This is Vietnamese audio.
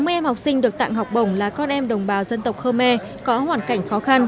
sáu mươi em học sinh được tặng học bổng là con em đồng bào dân tộc khơ me có hoàn cảnh khó khăn